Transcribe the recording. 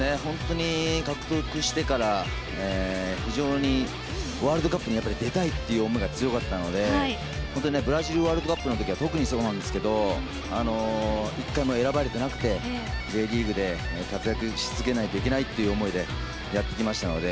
獲得してからワールドカップに出たいという思いが強かったので本当にブラジルワールドカップの時は特にそうなんですけど１回も選ばれていなくてＪリーグで活躍し続けないといけないという思いでやってきましたので。